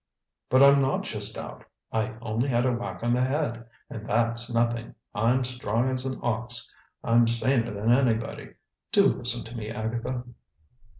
"But I'm not just out. I only had a whack on the head, and that's nothing. I'm strong as an ox. I'm saner than anybody. Do listen to me, Agatha."